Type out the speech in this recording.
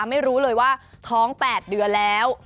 ไม่รู้เลยว่าท้อง๘เดือนแล้ว